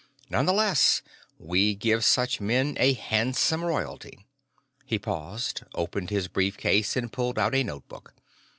None the less, we give such men a handsome royalty." He paused, opened his brief case, and pulled out a notebook.